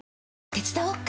手伝おっか？